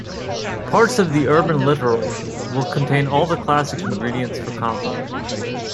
Parts of the urban littoral will contain all the classic ingredients for conflict.